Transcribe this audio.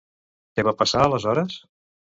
Què va passar aleshores?